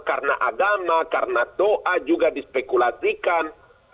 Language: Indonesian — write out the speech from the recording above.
karena agama karena doa juga dispekulatikan